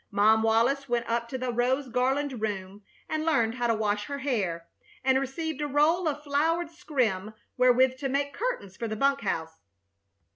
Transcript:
Mom Wallis went up to the rose garlanded room and learned how to wash her hair, and received a roll of flowered scrim wherewith to make curtains for the bunk house.